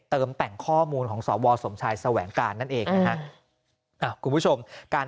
เติมแต่งข้อมูลของสวสมชายแสวงการนั่นเองนะฮะคุณผู้ชมการ